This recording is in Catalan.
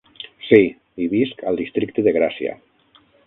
Sí, i visc al districte de Gràcia.